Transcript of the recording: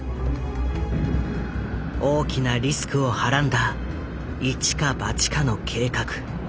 大きなリスクをはらんだ一か八かの計画。